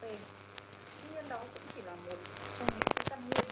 tuy nhiên đó cũng chỉ là một trong những tâm nguyên